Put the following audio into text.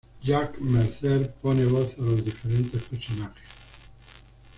Jack Mercer pone voz a los diferentes personajes.